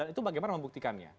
itu bagaimana membuktikannya